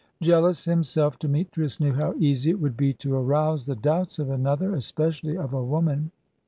Jealous himself, Demetrius knew how easy it would be to arouse the doubts of another especially of a woman.